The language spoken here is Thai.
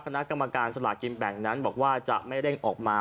คณะกรรมการสลากินแบ่งนั้นบอกว่าจะไม่เร่งออกมา